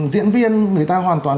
diễn viên người ta hoàn toàn